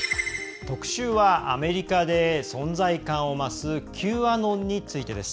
特集はアメリカで存在感を増すＱアノンについてです。